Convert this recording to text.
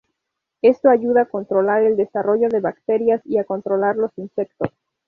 Esto ayuda a controlar el desarrollo de bacterias y a controlar los insectos.